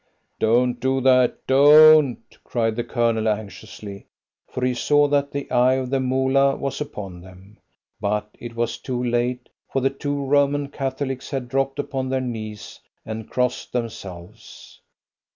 "Don't do that! Don't!" cried the Colonel anxiously, for he saw that the eye of the Moolah was upon them. But it was too late, for the two Roman Catholics had dropped upon their knees and crossed themselves.